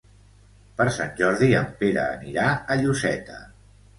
Per Sant Jordi en Pere anirà a Lloseta.